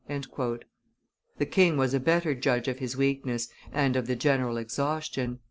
The king was a better judge of his weakness and of the general exhaustion.